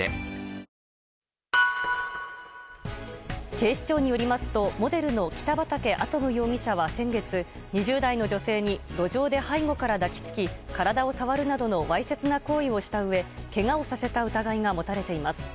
警視庁によりますとモデルの北畠亜都夢容疑者は先月、２０代の女性に路上で背後から抱きつき体を触るなどのわいせつな行為をしたうえけがをさせた疑いが持たれています。